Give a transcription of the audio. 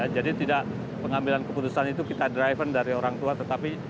jadi tidak pengambilan keputusan itu kita driven dari orang tua tetapi